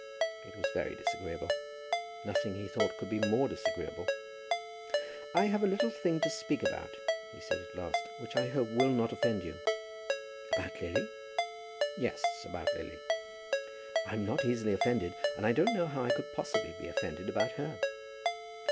It was very disagreeable. Nothing, he thought, could be more disagreeable. "I have a little thing to speak about," he said at last, "which I hope will not offend you." "About Lily?" "Yes; about Lily." "I'm not very easily offended, and I don't know how I could possibly be offended about her."